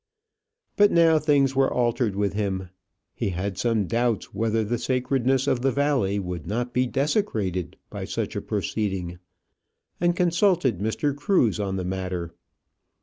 But now things were altered with him; he had some doubts whether the sacredness of the valley would not be desecrated by such a proceeding, and consulted Mr. Cruse on the matter.